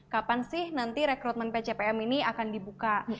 kapan sih nanti rekrutmen pcpm ini akan dibuka